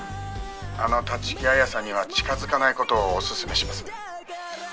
「あの立木彩さんには近づかない事をおすすめします」